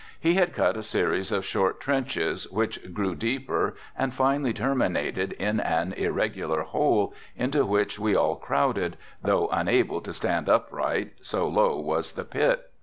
He had cut a series of short trenches which grew deeper and finally terminated in an irregular hole, into which we all crowded, though unable to stand upright, so low was the pit.